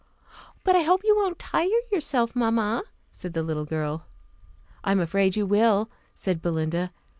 "But I hope you won't tire yourself, mamma," said the little girl. "I'm afraid you will," said Belinda.